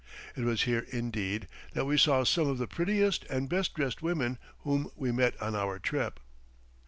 It was here, indeed, that we saw some of the prettiest and best dressed women whom we met on our trip.